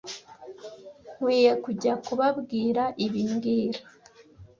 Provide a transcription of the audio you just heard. Nkwiye kujya kubabwira ibi mbwira